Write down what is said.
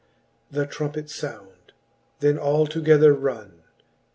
The trumpets found ; then all together ronne.